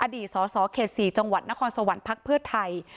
สสเขต๔จังหวัดนครสวรรค์พักเพื่อไทย